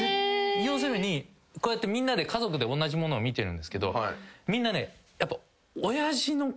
要するにこうやってみんなで家族でおんなじものを見てるんですがみんなね。